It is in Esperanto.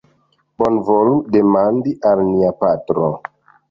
Bonvolu demandi al nia patro